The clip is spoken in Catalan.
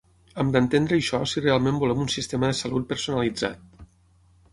Hem d’entendre això si realment volem un sistema de salut personalitzat.